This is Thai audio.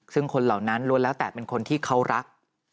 ซึ่งคนเหล่านั้นล้วนแล้วแต่เป็นคนที่เขารัก